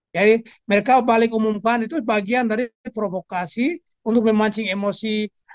jadi mereka balik umumkan itu bagian dari provokasi untuk memancing emosi